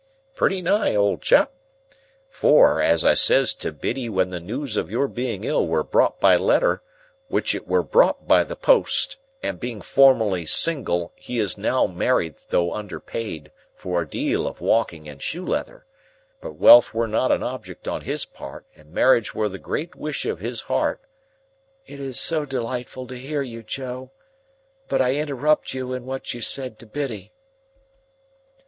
"Pretty nigh, old chap. For, as I says to Biddy when the news of your being ill were brought by letter, which it were brought by the post, and being formerly single he is now married though underpaid for a deal of walking and shoe leather, but wealth were not a object on his part, and marriage were the great wish of his hart—" "It is so delightful to hear you, Joe! But I interrupt you in what you said to Biddy."